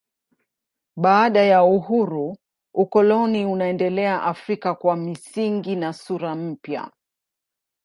Baada ya uhuru ukoloni unaendelea Afrika kwa misingi na sura mpya.